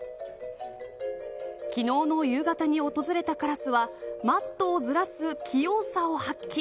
昨日の夕方に訪れたカラスはマットをずらす器用さを発揮。